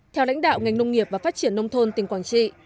theo lãnh đạo ngành nông nghiệp và phát triển nông thôn tỉnh quảng trị